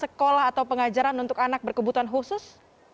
sekolah atau pengajaran untuk anak berkebutuhan khusus